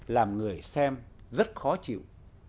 làm người xem rất khó chịu